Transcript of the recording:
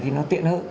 thì nó tiện hơn